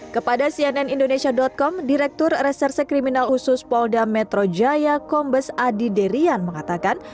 kepada cnn indonesia com direktur reserse kriminal khusus polda metro jaya kombes adi derian mengatakan